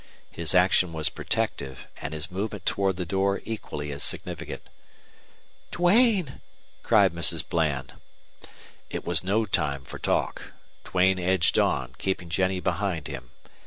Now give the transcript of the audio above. His action was protective, and his movement toward the door equally as significant. "Duane," cried Mrs. Bland. It was no time for talk. Duane edged on, keeping Jennie behind him.